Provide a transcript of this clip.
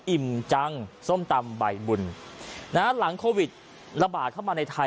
อิ่มจังส้มตำใบบุญนะฮะหลังโควิดระบาดเข้ามาในไทย